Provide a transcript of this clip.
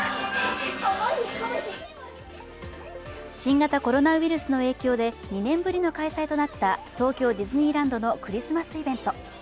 新型コロナウイルスの影響で２年ぶりの開催となった東京ディズニーランドのクリスマスイベント。